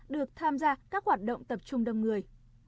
được tham gia các hoạt động tập trung đông người